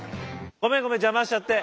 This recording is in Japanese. ごめんごめん邪魔しちゃって。